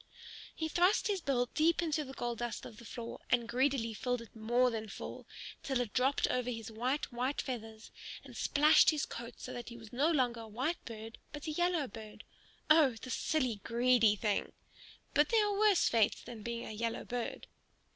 He thrust his bill deep into the gold dust of the floor, and greedily filled it more than full, till it dropped over his white, white feathers and splashed his coat so that he was no longer a white bird but a yellow bird. Oh, the silly, greedy thing! But there are worse fates than being a yellow bird.